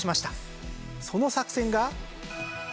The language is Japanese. その作戦が。